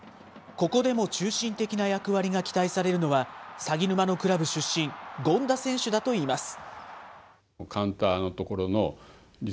ここでも中心的な役割が期待されるのは、さぎぬまのクラブ出身、権田選手だといいます。